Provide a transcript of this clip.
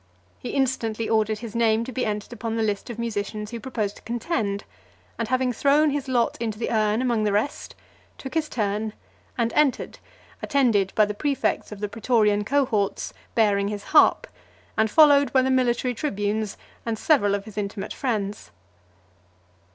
He instantly ordered his name to be entered upon the list of musicians who proposed to contend, and having thrown his lot into the urn among the rest, took his turn, and entered, attended by the prefects of the pretorian cohorts bearing his harp, and followed by the military tribunes, and several of his intimate friends.